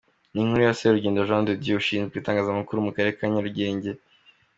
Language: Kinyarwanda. Ni inkuru ya Serugendo Jean de Dieu Ushinzwe itangazamakuru mu Karere ka Nyarugenge.